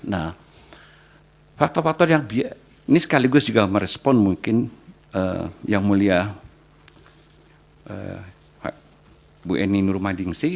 nah faktor faktor yang ini sekaligus juga merespon mungkin yang mulia bu eni nurmadingsi